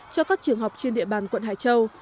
cho các trường học trên địa bàn quận hải châu